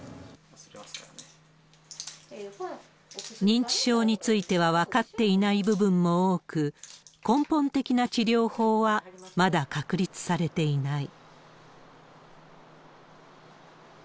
認知症については分かっていない部分も多く、根本的な治療法はまだ確立されていない。